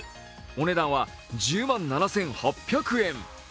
お値段は１０万７８００円。